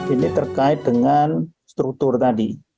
ini terkait dengan struktur tadi